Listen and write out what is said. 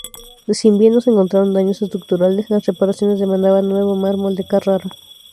Si bien no se encontraron daños estructurales, las reparaciones demandaban nuevo mármol de Carrara.